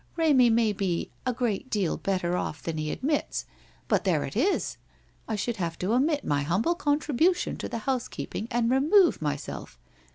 Remy may be a great deal better off than he admits, but there it is! I should have to omit my humble contribution to the housekeeping and remove myself.